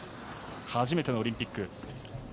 初めてのオリンピック。